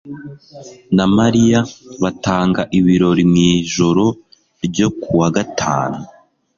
na Mariya batanga ibirori mu ijoro ryo ku wa gatanu.